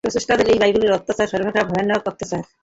প্রটেস্টাণ্টদের এই বাইবেলের অত্যাচার সর্বাপেক্ষা ভয়ানক অত্যাচার।